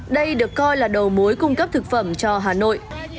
đây được coi là đầu mối cung cấp thực phẩm cho hà nội